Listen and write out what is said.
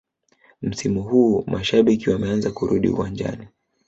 msimu huu mashabiki wameanza kurudi uwanjani